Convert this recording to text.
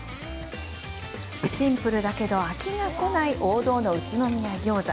シンプルだけど飽きがこない王道の宇都宮ギョーザ。